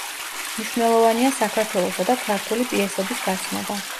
მნიშვნელოვანია საქართველოსა და ქართული პიესების გაცნობა.